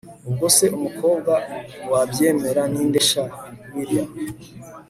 ubwo se umukobwa wabyemera ninde sha willia